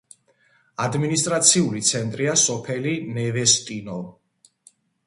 ადმინისტრაციული ცენტრია სოფელი ნევესტინო.